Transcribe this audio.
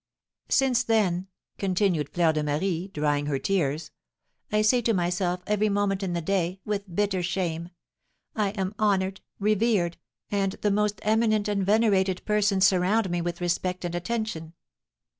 "Since then," continued Fleur de Marie, drying her tears, "I say to myself every moment in the day, with bitter shame, 'I am honoured, revered, and the most eminent and venerated persons surround me with respect and attention.